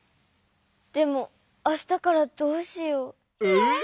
でもあしたからどうしよう。え？